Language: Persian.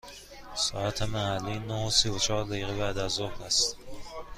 ساعت محلی نه و سی و چهار دقیقه بعد از ظهر است.